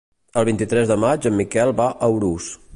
El vint-i-tres de maig en Miquel va a Urús.